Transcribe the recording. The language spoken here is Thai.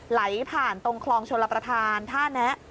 ไหลผ่านตรงคลองชลประธานท่าแนะ